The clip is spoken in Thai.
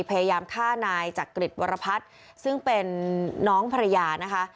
พยายามฆ่านายจักริจวรพัฒน์ซึ่งเป็นน้องภรรยานะคะ